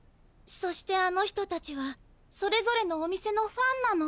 そしてあの人たちはそれぞれのお店のファンなの。